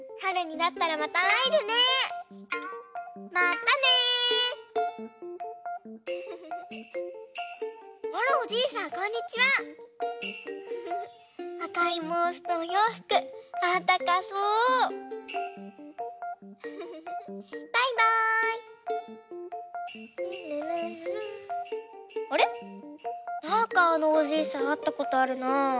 なんかあのおじいさんあったことあるなあ。